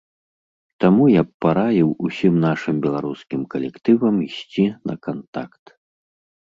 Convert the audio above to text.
Таму я б параіў усім нашым беларускім калектывам ісці на кантакт.